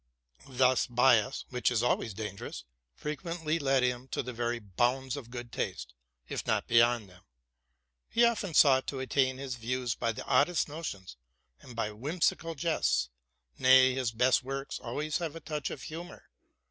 This bias, which is always dangerous, frequently led him to the very bounds of good taste, if not beyond them. He cften sought to attain his views by the oddest notions and by whimsical jests ; nay, his best works always have a touch of humor.